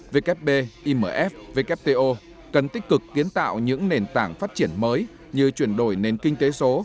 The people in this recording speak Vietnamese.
wb imf wto cần tích cực kiến tạo những nền tảng phát triển mới như chuyển đổi nền kinh tế số